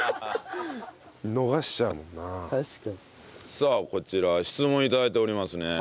さあこちら質問頂いておりますね。